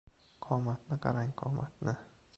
Qomatni qarang, qomatni!